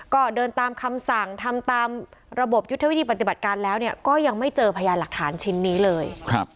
ก็เดินตามคำสั่งทำตามระบบยุทธวิธีปฏิบัติการแล้วก็ยังไม่เจอพยานหลักฐานชิ้นนี้เลย